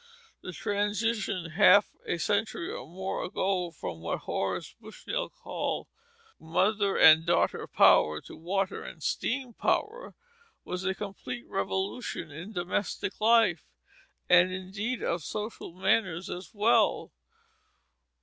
The transition half a century or more ago from what Horace Bushnell called "mother and daughter power to water and steam power," was a complete revolution in domestic life, and indeed of social manners as well.